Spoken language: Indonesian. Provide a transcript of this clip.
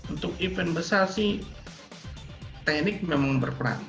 untuk event besar sih teknik memang berperan